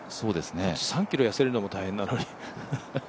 ３ｋｇやせるのも大変なのに。